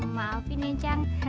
maafin ya cang